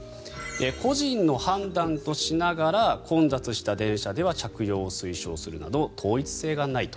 個人の判断としながら混雑した電車では着用を推奨するなど統一性がないと。